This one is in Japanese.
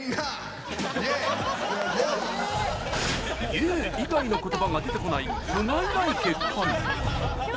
「Ｙｅａｈ」以外の言葉が出てこない、ふがいない結果に。